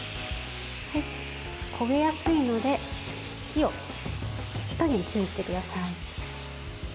焦げやすいので火加減、注意してください。